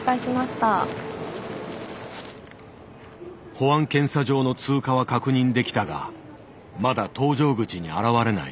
保安検査場の通過は確認できたがまだ搭乗口に現れない。